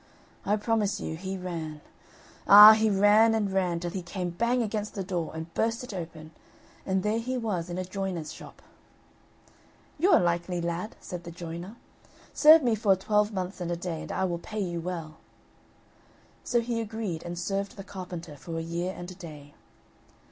I promise you he ran. Ah! he ran and ran till he came bang against the door, and burst it open, and there he was in a joiner's shop. "You're a likely lad," said the joiner; "serve me for a twelvemonths and a day and I will pay you well.'" So he agreed, and served the carpenter for a year and a day.